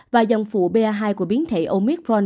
và dòng phủ ba hai của biến thể omicron